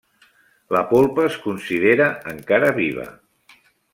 La polpa es considera encara viva.